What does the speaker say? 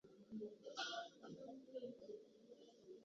儿子苻馗被封为越侯。